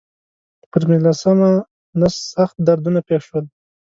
پر پنځلسمه نس سخت دردونه پېښ شول.